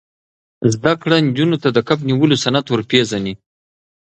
زده کړه نجونو ته د کب نیولو صنعت ور پېژني.